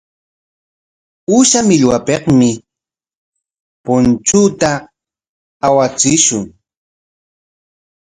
Uusha millwapikmi punchuta awachishun.